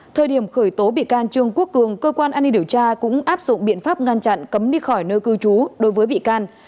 thời điểm khởi tố bị can trương quốc cường cơ quan an ninh điều tra cũng áp dụng biện pháp ngăn chặn cấm đi khỏi nơi cư trú đối với bị can